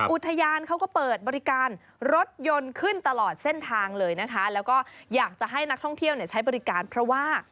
อุทยานเขาก็เปิดบริการรถยนต์ขึ้นตลอดเส้นทางเลยนะคะแล้วก็อยากจะให้นักท่องเที่ยวเนี่ยใช้บริการเพราะว่า